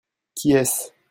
Qui est-ce ?